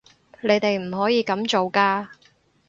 你哋唔可以噉做㗎